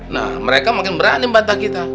nah mereka makin berani bantah kita